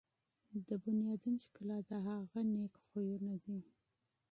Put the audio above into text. د انسان ښکلا د هغه نیک اخلاق دي.